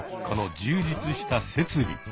この充実した設備。